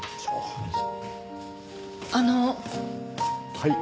はい？